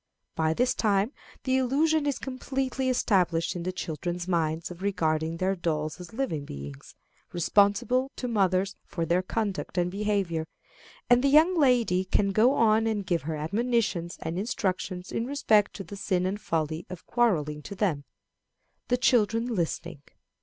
By this time the illusion is completely established in the children's minds of regarding their dolls as living beings, responsible to mothers for their conduct and behavior; and the young lady can go on and give her admonitions and instructions in respect to the sin and folly of quarrelling to them the children listening.